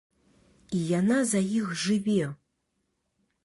І яна за іх жыве!